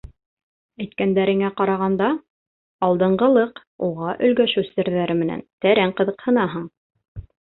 — Әйткәндәреңә ҡарағанда, алдынғылыҡ, уға өлгәшеү серҙәре менән тәрән ҡыҙыҡһынаһың.